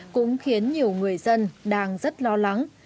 cũng khiến nhiều người dân đang rất lo lắng